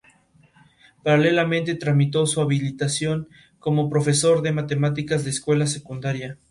Paralelamente tramitó su habilitación como profesor de matemáticas de escuela secundaria.